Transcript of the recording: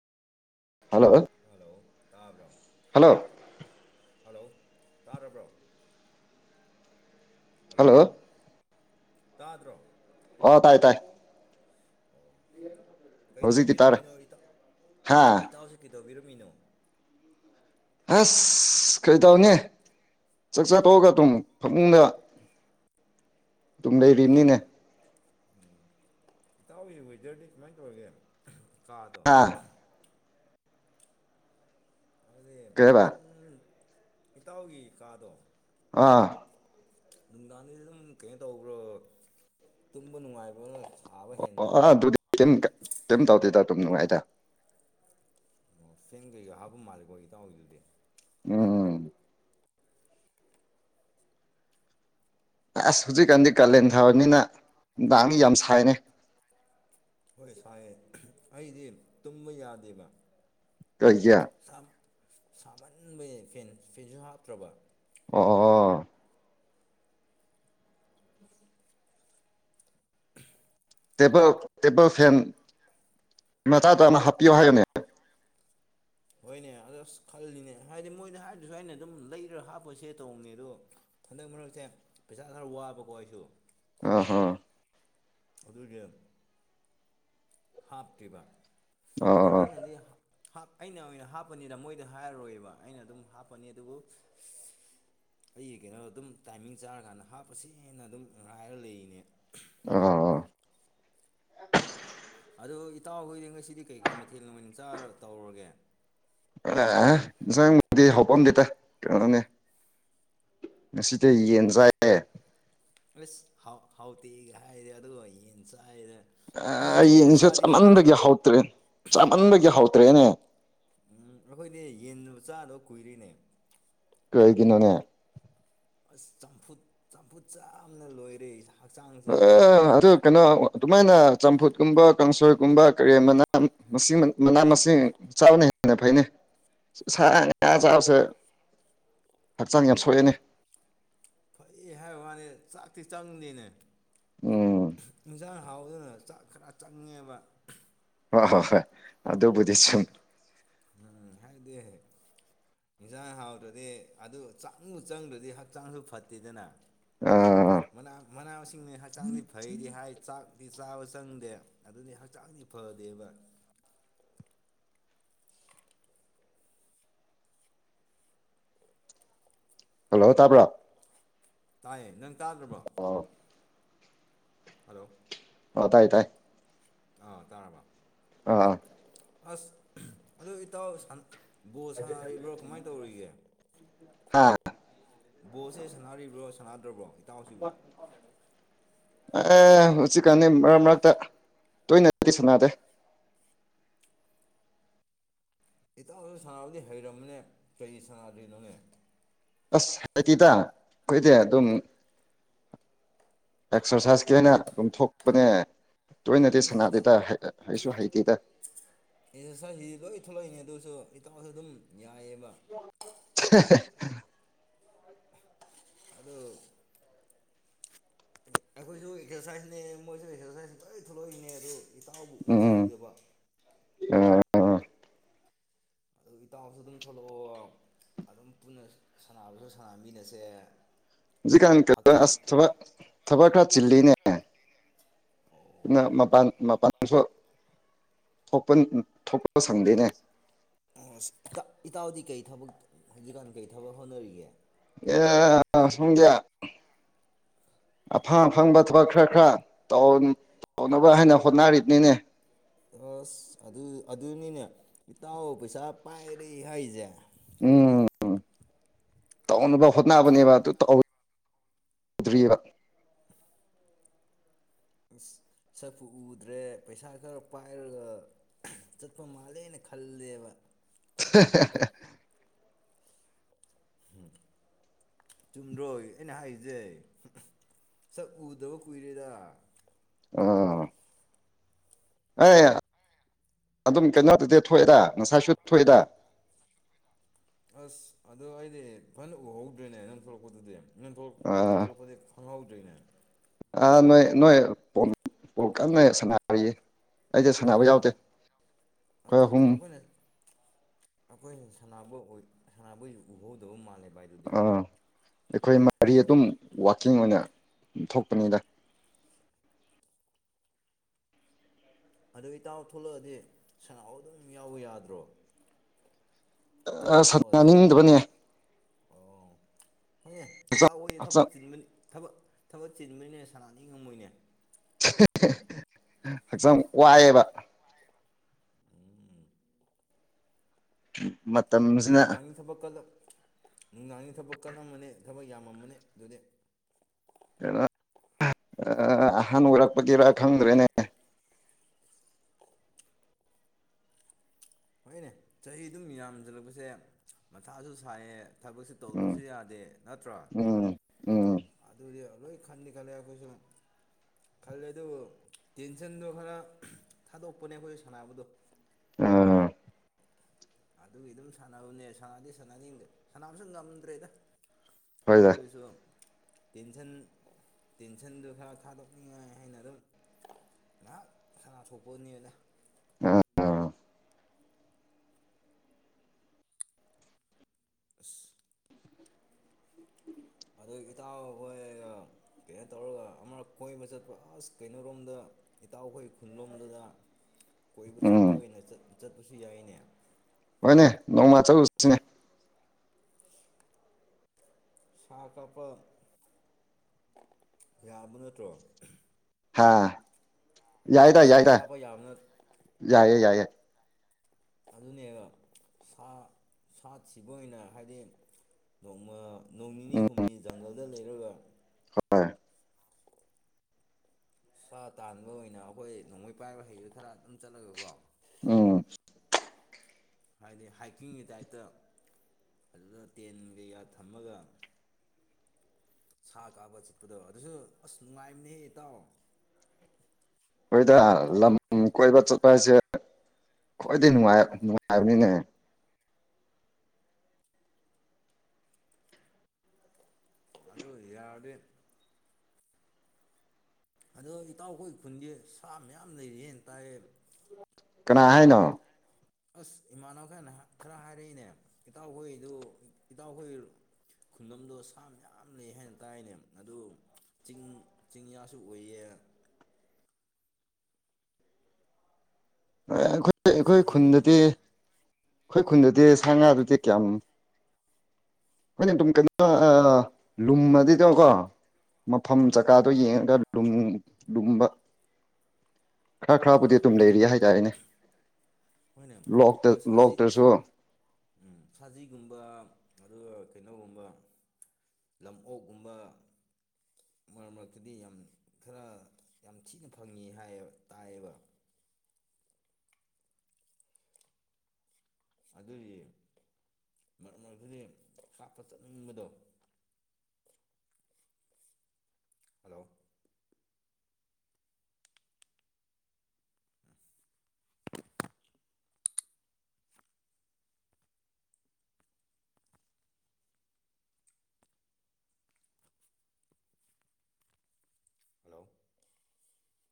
hello hello ꯇꯥꯕ꯭ꯔꯣ hello hello ꯇꯥꯔꯕ꯭ꯔꯣ hello ꯇꯥꯗ꯭ꯔꯣ ꯑꯣ ꯇꯥꯏ ꯇꯥꯏ ꯑꯣ ꯍꯧꯖꯤꯛꯇꯤ ꯇꯥꯔꯦ ꯀꯩꯗꯧꯕꯤꯔꯝꯃꯤꯅꯣ ꯏ ꯍꯥ ꯏꯇꯥꯎꯁꯤ ꯀꯩꯗꯧ ꯑꯣꯏꯔꯝꯃꯤꯅꯣ ꯑꯁ ꯀꯔꯤ ꯇꯧꯅꯦ ꯆꯥꯛ ꯆꯥꯊꯣꯛꯑꯒ ꯇꯨꯝꯃꯨ ꯐꯃꯨꯡꯗ ꯑꯗꯨꯝ ꯂꯩꯔꯤꯅꯤꯅꯦ ꯏꯇꯥꯎꯁꯤ ꯋꯦꯗꯔꯗꯤ ꯀꯃꯥꯏꯅ ꯇꯧꯔꯒꯦ ꯀꯥꯗꯣ ꯍꯥ ꯍꯥꯏꯕꯗꯤ ꯀꯩꯍꯕ ꯑꯗꯨꯝ ꯏꯇꯥꯎꯒꯤ ꯀꯥꯗꯣ ꯑꯥ ꯅꯨꯡꯗꯥꯡꯒꯤꯗꯤ ꯑꯗꯨꯝ ꯀꯩꯅꯣ ꯇꯧꯕ꯭ꯔꯣ ꯇꯨꯝꯕ ꯅꯨꯡꯉꯥꯏꯕ꯭ꯔꯣ ꯁꯥꯕ ꯑꯣ ꯍꯦꯟꯕ꯭ꯔꯣ ꯑ ꯑꯗꯨꯗꯤ ꯀꯝ ꯇꯧꯗꯦꯗ ꯑꯗꯨꯝ ꯅꯨꯡꯉꯥꯏꯗ ꯑꯣ ꯐꯦꯟ ꯀꯩꯀ ꯍꯥꯞꯄ ꯃꯥꯜꯂꯤꯦꯀꯣ ꯏꯇꯥꯎ ꯑꯣꯏꯗꯨꯗꯤ ꯎꯝ ꯎꯝ ꯑꯁ ꯍꯧꯖꯤꯛꯀꯥꯟꯗꯤ ꯀꯥꯂꯦꯟ ꯊꯥꯑꯣꯏꯕꯅꯤꯅ ꯅꯨꯡꯗꯥꯡꯗꯤ ꯌꯥꯝ ꯁꯥꯏꯅꯦ ꯍꯣꯏ ꯁꯥꯏ ꯑꯩꯗꯤ ꯇꯨꯝꯕ ꯌꯥꯗꯦꯕ ꯀꯩꯒ‌ꯦ ꯁꯥ ꯁꯥꯃꯟꯕꯩ ꯐꯦꯟ ꯐꯦꯟꯁꯨ ꯍꯥꯞꯇ꯭ꯔꯕ ꯑꯣ ꯑꯣ ꯑꯣ ꯇ‌ꯦꯕꯜꯕ ꯇꯦꯕꯜ ꯐꯦꯟ ꯃꯆꯥꯗ‌ꯣ ꯑꯃ ꯍꯥꯞꯄꯤꯌꯣ ꯍꯥꯏꯌ‌ꯣꯅꯦ ꯍꯣꯏꯅꯦ ꯑꯗꯣ ꯑꯁ ꯈꯜꯂꯤꯅꯦ ꯍꯥꯏꯗꯤ ꯃꯣꯏꯗ ꯍꯥꯏꯗꯔꯁꯨ ꯑꯩꯅ ꯑꯗꯨꯝ ꯂꯩꯔ ꯍꯥꯞꯄꯁꯦ ꯇꯧꯕꯅꯦ ꯑꯗꯣ ꯍꯟꯗꯛ ꯃꯔꯛꯁꯦ ꯄꯩꯁꯥ ꯈꯔ ꯋꯥꯕꯀꯣ ꯑꯩꯁꯨ ꯑ ꯍ ꯑꯗꯨꯒꯤ ꯍꯥꯞꯇ꯭ꯔꯤꯕ ꯑꯣ ꯑꯗꯨ ꯑꯣ ꯑꯩꯅꯗꯤ ꯑꯩꯅ ꯑꯣꯏꯅ ꯍꯥꯞꯄꯅꯤꯗ ꯃꯣꯏꯗ ꯍꯥꯏꯔꯔꯣꯏꯌꯦꯕ ꯑꯩꯅ ꯑꯗꯨꯝ ꯍꯥꯞꯄꯅꯤ ꯑꯗꯨꯕꯨ ꯑꯩꯒꯤ ꯀꯩꯅꯣ ꯑꯗꯨꯝ ꯇꯥꯏꯃꯤꯡ ꯆꯥꯔꯀꯥꯟꯗ ꯍꯥꯞꯄꯁꯦ ꯍꯦꯟꯅ ꯑꯗꯨꯝ ꯉꯥꯏꯔ ꯂꯩꯔꯤꯅꯦ ꯑꯣ ꯑꯗꯣ ꯏꯇꯥꯎꯍꯣꯏꯗꯤ ꯉꯁꯤꯗꯤ ꯀꯩꯀꯩ ꯃꯊꯦꯜ ꯅ ꯑꯣꯏꯅ ꯆꯥꯔ ꯇꯧꯔꯒꯦ ꯑꯦ ꯏꯟꯁꯥꯡꯕꯨꯗꯤ ꯍꯄꯑꯝꯗꯦꯗ ꯀꯩꯅꯣꯅꯦ ꯉꯁꯤꯗꯤ ꯌꯦꯟꯆꯥꯏꯌꯦ ꯑꯁ ꯍꯥꯎ ꯍꯥꯎꯇꯤꯒ ꯍꯥꯏꯗꯤ ꯑꯗꯨꯒ ꯌꯦꯟ ꯆꯥꯏꯗ ꯑꯩꯡꯁꯦ ꯆꯃꯟꯗꯒꯤ ꯍꯧꯇ꯭ꯔꯦ ꯆꯃꯟꯗꯒꯤ ꯍꯧꯇ꯭ꯔꯦꯅꯦ ꯎꯝ ꯑꯩꯈꯣꯏꯗꯤ ꯌꯦꯟ ꯃ ꯆꯥꯗꯕ ꯀꯨꯏꯔ‌ꯦꯅꯦ ꯀꯩꯒꯤꯅ‌ꯣꯅ‌ꯦ ꯑꯁ ꯆꯝꯐꯨꯠ ꯆꯝꯐꯨꯠ ꯆꯕꯅ ꯂꯣꯏꯔꯦꯥ ꯑ ꯑꯗꯨ ꯀꯩꯅꯣ ꯃꯣꯏꯅ ꯆꯝꯐꯨꯠ ꯀꯨꯝꯕ ꯀꯥꯡꯁꯣꯏꯒꯨꯝꯕ ꯀꯔꯤ ꯃꯅꯥ ꯃꯅꯥ ꯃꯁꯤꯡ ꯆꯥꯕꯅ ꯍ‌ꯦꯟꯅ ꯐꯩꯅ‌ꯣ ꯁꯥ ꯉ ꯥꯆꯥꯕꯁꯦ ꯍꯛꯆꯥꯡ ꯌꯥꯝ ꯁꯣꯛꯑ‌ꯦꯅ‌ꯦ ꯑꯦ ꯍꯥꯏꯕ ꯋꯥꯅꯦ ꯆꯥꯛꯇꯤ ꯆꯪꯗꯦꯅꯦ ꯎꯝ ꯏꯟꯁꯥꯡ ꯊꯥꯎꯗꯨꯅ ꯆꯥꯛ ꯆꯥ ꯆꯪꯉꯦꯕ ꯍ ꯍ ꯍ ꯑꯗꯕꯨꯗꯤ ꯆꯨꯝ ꯍꯥꯏꯥꯏꯗꯦ ꯍꯥꯏꯦ ꯌꯦꯟꯁꯥꯡ ꯍꯥꯎꯗ꯭ꯔꯗꯤ ꯑꯗꯨ ꯆꯪꯉꯨ ꯆꯪꯗ꯭ꯔꯗꯤ ꯍꯛꯆꯥꯡꯁꯨ ꯐꯠꯇꯦꯗꯅ ꯑꯥ ꯃꯅꯥ ꯃꯁꯤꯡꯅ ꯍꯛꯆꯥꯡꯗꯤ ꯐꯩꯗꯤ ꯍꯥꯏ ꯆꯥꯛꯗꯤ ꯆꯥꯕ ꯆꯪꯗꯦ ꯑꯗꯨꯗꯤ ꯍꯛꯆꯥꯡꯗꯤ ꯐꯗꯦꯕ ꯍꯜꯂꯣ ꯇꯥꯕ꯭ꯔꯣ ꯇꯥꯏꯌꯦ ꯅꯪ ꯇꯥꯗ꯭ꯔꯕꯣ ꯑꯣ ꯍꯜꯂꯣ ꯍ ꯇꯥꯏ ꯇꯥꯏ ꯑꯥ ꯇꯥꯔꯕ ꯑꯥ ꯑꯥ ꯑꯁ ꯑꯗꯨ ꯏꯇꯥꯎ ꯕꯣꯜ ꯁꯥꯟꯅꯔꯤꯕ꯭ꯔꯣ ꯀꯃꯥꯏꯅ ꯇꯧꯔꯤꯒꯦ ꯍꯥꯥ ꯕꯣꯁꯦ ꯁꯥꯟꯅꯔꯤꯕ꯭ꯔꯣ ꯁꯥꯟꯅꯗ꯭ꯔꯕ꯭ꯔꯣ ꯏꯇꯥꯎꯁꯤꯕꯨ ꯑꯦ ꯍꯧꯖꯤꯛꯀꯥꯟꯅꯤ ꯃꯔꯛ ꯃꯔꯛꯇ ꯇꯣꯏꯅꯦ ꯁꯅꯥꯗꯦ [inaudible] ꯏꯇꯥꯎꯗꯨ ꯁꯥꯟꯅꯕꯗꯤ ꯍꯩꯔꯝꯃꯤꯅꯦ ꯀ ꯁꯥꯟꯅꯗꯣꯏꯅꯣꯅꯦ ꯑꯁ ꯍꯥꯏꯀꯤꯇ ꯀꯔꯤꯗ ꯑꯗꯨꯝ ꯑꯦꯛꯁꯔꯁꯥꯏꯁꯀꯤ ꯑꯣꯏꯅ ꯑꯗꯨꯝ ꯊꯣꯛꯄꯅꯦ ꯇꯣꯏꯅꯗꯦ ꯑꯁ ꯑꯗꯨ ꯁꯅꯥꯗꯦꯗ ꯍꯩꯁꯨ ꯍꯩꯇꯦꯗ ꯑꯦꯛꯁꯔꯁꯥꯏꯖꯁꯤꯗꯤ ꯂꯣꯏ ꯊꯣꯛꯂꯛꯏꯅꯦ ꯑꯗꯨꯁꯨ ꯏꯇꯥꯎꯁꯨ ꯑꯗꯨꯝ ꯌꯥꯏꯑꯕ [unintelligible] ꯑꯗ ꯑꯩꯈꯣꯏꯁꯨ ꯑꯦꯛꯁꯔꯁꯥꯏꯖꯅꯦ ꯃꯣꯏꯁꯨ ꯑꯦꯛꯁꯔꯁꯥꯏꯁ ꯂꯣꯏ ꯊꯣꯛꯂꯛꯏꯅꯦ ꯑꯗꯨ ꯏꯇꯥꯎꯕ ꯎꯝ ꯎꯈꯤꯗꯕ ꯑꯗꯨ ꯏꯇꯥꯎꯁꯨ ꯑꯗꯨꯝ ꯊꯣꯛꯂꯛꯑꯣ ꯑꯗꯨꯝ ꯄꯨꯟꯅ ꯁꯥꯟꯅꯕꯁꯨ ꯁꯥꯟꯅꯃꯤꯟꯅꯁꯦ ꯖꯤ ꯀꯥꯟ ꯀ ꯍꯛꯆꯥꯡ ꯑꯁ ꯊꯕꯛ ꯊꯕꯛ ꯈꯔ ꯆꯤꯜꯂꯤꯅꯦ ꯑꯣ ꯃꯄꯥꯟ ꯃꯄꯥꯟꯁꯨ ꯊꯣꯛ ꯊꯣꯛ ꯑ ꯏ ꯏꯇꯥꯎꯗꯤ ꯀꯩ ꯊꯕꯛ ꯍꯧꯖꯤꯛꯀꯥꯟ ꯀꯩ ꯊꯕ ꯍꯣꯠꯅꯔꯤꯒꯦ ꯑꯦ ꯁꯨꯒꯌꯥ ꯑꯐꯪ ꯑꯐꯪꯕ ꯊꯕꯛ ꯈꯔ ꯈꯔ ꯇ ꯇꯧꯅꯕ ꯍꯥꯏꯅ ꯍꯣꯠꯅꯔꯤꯅꯤꯅꯦ ꯑꯁ ꯑꯗꯨ ꯑꯗꯨꯅꯤꯅꯦ ꯏꯇꯥꯎ ꯄꯩꯁꯥ ꯄꯥꯏꯔꯦ ꯍꯥꯏꯁꯦ ꯎꯝꯝ ꯇꯧꯅꯕ ꯍꯣꯠꯅꯕꯅꯦꯕ ꯑꯗꯨ ꯇꯧ ꯗ꯭ꯔꯕ ꯑ ꯁꯛꯄꯨ ꯎꯗ꯭ꯔꯦ ꯄꯩꯁꯥ ꯈꯔ ꯄꯥꯏꯔꯒ ꯆꯠꯄ ꯃꯥꯜꯂꯦꯅ ꯈꯜꯂꯦꯕ [unintelligible] [unintelligible] ꯆꯨꯝꯗ꯭ꯔꯣꯏ ꯑꯩꯅ ꯍꯥꯏꯁꯦ ꯁꯛ ꯎꯗꯕ ꯀꯨꯏꯔꯦꯗ ꯑꯥ ꯑꯦ ꯑꯗꯨꯝ ꯀꯩꯅꯣꯗꯗꯤꯦ ꯊꯣꯛꯑꯦꯗ ꯉꯁꯥꯁꯨ ꯊꯣꯛꯑꯦꯗ ꯑꯁ ꯑꯗꯣ ꯑꯩꯗꯤ ꯐꯅ ꯎꯍꯧꯗ꯭ꯔꯦꯅꯦ ꯅꯪ ꯊꯣꯛꯂꯛꯄꯗꯨꯗꯤ ꯅ ꯊꯣꯛ ꯑꯥ ꯊꯂꯛ ꯐꯗꯤ ꯐꯉꯎꯖꯣꯏꯅ ꯑꯥ ꯅꯣꯏ ꯅꯣꯏ ꯀꯟꯅ ꯁꯥꯟꯅꯔꯤꯌꯦ ꯑꯩꯁꯦ ꯁꯥꯟꯅꯕ ꯌꯥꯎꯗꯦ ꯑꯣ ꯑꯩꯈꯣꯏ ꯑꯠꯆꯥ ꯑꯠꯆꯥ ꯑꯍꯨꯝ ꯑꯩꯈꯣꯏꯅ ꯑꯩꯈꯣꯏꯅ ꯁꯥꯟꯅꯕ ꯑꯣꯏ ꯁꯥꯟꯅꯕ ꯎꯍꯧꯗꯕ ꯃꯥꯜꯂꯦꯕ ꯍꯥꯏꯗꯨꯗꯤ ꯑꯥ ꯑꯩꯈꯣꯏ ꯃꯔꯤ ꯑꯗꯨꯝ ꯋꯥꯛꯀꯤꯡ ꯑꯣꯏꯅ ꯊꯣꯛꯄꯅꯤꯗ ꯑꯗꯨ ꯏꯇꯥꯎ ꯊꯣꯛꯂꯛꯑꯗꯤ ꯁꯅꯥꯎ ꯑꯗꯨꯝ ꯌꯥꯎꯕ ꯌꯥꯗ꯭ꯔꯣ ꯑ ꯊꯣꯛꯄꯨ ꯊꯣꯛꯑꯗꯤ ꯌꯥꯅꯤꯡꯗꯕꯅꯦ ꯑꯣ ꯍꯣꯏꯅꯦ ꯏꯇꯥꯎ ꯍꯌꯦ ꯊꯕꯛ ꯍꯛꯆꯥꯡ ꯆꯤꯟꯕ ꯊꯕ ꯊꯕꯛ ꯆꯤꯟꯕꯅꯤꯅꯦ ꯁꯅꯥꯅꯤ ꯉꯝꯃꯣꯏꯅꯦ ꯍꯛꯆꯥꯡ ꯋꯥꯏꯑꯦꯕ ꯃꯇꯝꯁꯤꯅ ꯅꯨꯡꯗꯥꯡꯒꯤ ꯊꯕꯛ ꯀꯜꯂ ꯅꯨꯡꯗꯥꯡꯒꯤ ꯊꯕꯛ ꯀꯜꯂꯝꯃꯅꯤ ꯊꯕꯛ ꯌꯥꯝꯃꯃꯅꯤ ꯑꯗꯨꯗꯤ ꯀꯩꯅꯣ ꯑꯍꯥꯟꯕ ꯑꯣꯏꯔꯛꯄꯗꯤꯔ ꯈꯪꯗ꯭ꯔꯦꯅꯦ ꯍꯣꯏꯅꯦ ꯆꯍꯤ ꯑꯗꯨꯝ ꯌꯥꯝꯁꯤꯜꯂꯛꯄꯁꯦ ꯃꯊꯥꯁꯨ ꯁꯥꯏꯌꯦꯦ ꯊꯕꯛꯁ ꯎꯝ ꯇꯧꯗꯁꯨ ꯌꯥꯗꯦ ꯅꯠꯇ꯭ꯔꯣ ꯎꯝ ꯎꯝ ꯑꯗꯨꯗꯤ ꯂꯣꯏ ꯈꯥꯟꯗ ꯈ ꯂꯩꯦ ꯀꯣꯏꯁꯣꯟ ꯈꯜꯂꯦ ꯑꯗꯨꯕꯨ ꯇꯦꯟꯁꯟꯗꯣ ꯈꯔ ꯊꯥꯗꯣꯛꯄꯅꯦ ꯑꯩꯈꯣꯏ ꯁꯥꯟꯅꯕꯗꯣ ꯑ ꯑꯗꯨꯒꯤ ꯑꯗꯨꯝ ꯁꯥꯟꯅꯕꯅꯦ ꯁꯥꯟꯅꯗꯤ ꯁꯥꯟꯅꯅꯤꯡꯗ ꯁꯥꯟꯅꯕꯁꯨ ꯉꯝꯗ꯭ꯔꯦꯗ ꯍꯣꯏꯗ ꯑꯗꯣꯢꯁꯨ ꯀꯩꯁꯨ ꯇꯦꯟꯁꯟ ꯇꯦꯟꯁꯟꯗꯨ ꯈꯔ ꯊꯥꯗꯣꯛꯅꯤꯡꯉꯥꯏ ꯍꯥꯏꯅ ꯑꯗꯨꯝ ꯉꯥꯏꯍꯥꯛ ꯁꯅꯥ ꯊꯣꯛꯄꯅꯦꯅ ꯑꯥ ꯑꯁ ꯑꯗꯨ ꯏꯇꯥꯎ ꯍꯣꯏꯒ ꯀꯩꯅꯣ ꯇꯧꯔꯒ ꯑꯃꯛ ꯀꯣꯏꯕ ꯆꯠꯄ ꯑꯁ ꯀꯩꯅꯣꯣꯔꯣꯝꯗ ꯏꯇꯥꯎꯈꯣꯏ ꯈꯨꯟꯂꯣꯝꯗꯨꯗ ꯀꯣꯏꯕ ꯆꯠꯄ ꯎꯝ ꯑꯣꯏꯅ ꯆꯠꯄꯁꯨ ꯌꯥꯏꯅꯦ ꯍꯣꯏꯅꯦ ꯅꯣꯡꯃ ꯆꯠꯂꯨꯁꯤꯅꯦ ꯁꯥ ꯀꯥꯞꯄ ꯌꯥꯕ ꯅꯠꯇ꯭ꯔꯣ ꯍꯥꯥ ꯌꯥꯏꯗ ꯁꯥ ꯌꯥꯏꯗ ꯀꯥꯞꯄ ꯌꯥꯕꯅ ꯌꯥꯏꯌꯦ ꯌꯥꯏꯌꯦ ꯑꯗꯨꯅꯦꯕ ꯁꯥ ꯁꯥꯠꯁꯤꯕꯨ ꯑꯣꯏꯅ ꯍꯥꯏꯗꯤ ꯅꯣꯡꯃ ꯅꯣꯡ ꯅꯤꯅꯤ ꯎꯝ ꯍꯨꯝꯅꯤ ꯖꯪꯒꯜꯗ ꯂꯩꯔꯒ ꯍ ꯁꯥ ꯇꯥꯟꯕ ꯑꯣꯏꯅ ꯑꯩꯈꯣꯏ ꯅꯣꯡꯃꯩ ꯄꯥꯏꯕ ꯍꯩꯗꯣ ꯈꯔ ꯑꯗꯨꯝ ꯆꯠꯂꯒꯀꯣ ꯎꯝ ꯍꯥꯏꯗꯤ ꯍꯥꯏꯀꯤꯡꯒꯤ ꯗꯥꯏꯠꯇ ꯑꯗꯨꯗ ꯇꯦꯟ ꯀꯩꯀꯥ ꯊꯝꯃꯒ ꯁꯥ ꯀꯥꯕ ꯆꯤꯠꯄꯗꯣ ꯑꯗꯨꯁꯨ ꯑꯁ ꯅꯨꯡꯉꯥꯏꯕꯅꯦꯍꯦ ꯏꯇꯥꯎ ꯑꯩꯈꯣꯏꯗ ꯂꯝ ꯀꯣꯏꯕ ꯆꯠꯄ ꯍꯥꯏꯁꯦ ꯈ꯭ꯋꯥꯏꯗꯩ ꯅꯨꯡꯉꯥꯏ ꯅꯨꯡꯉꯥꯏꯕꯅꯤꯅꯦ ꯑꯗꯨꯗ ꯌꯥꯔꯗꯤ ꯑꯗꯣ ꯏꯇꯥꯎꯈꯣꯏ ꯈꯨꯟꯒꯤ ꯁꯥ ꯃꯌꯥꯝ ꯂꯩꯔꯤꯅ ꯇꯥꯔꯦ ꯀꯅꯥ ꯍꯥꯏꯦꯅ ꯑꯁ ꯏꯃꯥꯟꯅꯕꯈꯅ ꯈꯔ ꯍꯥꯏꯔꯛꯏꯅꯦ ꯏꯇꯥꯎꯈꯣꯏꯗꯨ ꯏꯇꯥꯎꯈꯣꯏ ꯈꯨꯟꯗꯣ ꯁꯥ ꯌꯥꯝ ꯂꯩ ꯍꯥꯏꯅ ꯇꯥꯏꯅꯦ ꯑꯗꯨ ꯆꯤꯡ ꯆꯤꯡꯌꯥꯁꯨ ꯑꯣꯏꯌꯦ ꯑꯩꯈꯣꯏ ꯑꯩꯈꯣꯏ ꯈꯨꯟꯗꯗꯤ ꯁꯖꯤꯒꯨꯝꯕ ꯑꯩꯈꯣꯏ ꯈꯨꯟꯗꯨꯗꯤ ꯁꯥ ꯉꯥꯗꯨꯗꯤ ꯀꯌꯥꯝ ꯍꯣꯏ ꯑꯗꯨ ꯀꯩꯅ ꯂꯨꯝꯃꯗꯤ ꯇꯉꯀꯣ ꯃꯐꯝ ꯍꯣꯏ ꯆꯥꯀꯥꯗꯣ ꯌꯦꯡꯉꯒ ꯂꯨꯝꯕ ꯈꯔ ꯈꯔꯕꯨꯗꯤ ꯍꯣꯏꯅꯦ ꯑꯗꯨꯝ ꯂꯩꯔꯤ ꯍꯥꯏꯇꯥꯔꯦꯅꯦ ꯍꯣꯏꯅꯦ ꯂꯣꯛꯇ ꯁꯖꯤ ꯂꯣꯛꯇꯁꯨ ꯁꯖꯤꯒꯨꯝꯕ ꯑꯗꯨꯒ ꯀꯩꯅꯣꯒꯨꯝꯕ ꯂꯝ ꯑꯣꯛꯀꯨꯝꯕ ꯃꯔꯛ ꯃꯔꯛꯇꯗꯤ ꯌꯥꯝ ꯈꯔ ꯌꯥꯝ ꯊꯤꯅ ꯐꯪꯉꯤ ꯍꯥꯏꯌꯦꯕ ꯇꯥꯏꯌꯦꯕ ꯑ ꯑꯗꯨꯗꯤ ꯃꯔꯝ ꯑꯣꯏꯔꯒꯗꯤ ꯀꯥꯞꯄ ꯆꯠꯅꯤꯡꯕꯗꯣ ꯑ ꯍꯂꯣ ꯍꯜꯂꯣ